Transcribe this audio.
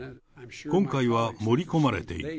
今回は盛り込まれている。